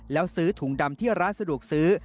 แล้วซื้อถุงดำที่ร้านสะดวกซื้อ